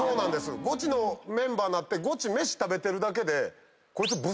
ゴチのメンバーになって飯食べてるだけで。